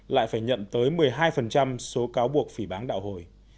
lại phải nhận tới một mươi hai số cáo buộc phỉ báng đạo hồi